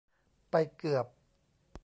ไปเกือบ